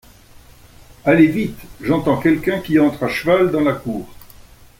Allez vite… j’entends quelqu’un qui entre à cheval dans la cour.